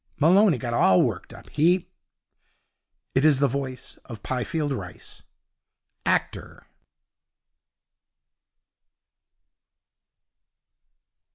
Malone got all worked up. He ' It is the voice of Pifield Rice, actor.